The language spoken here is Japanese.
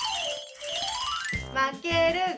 まけるが。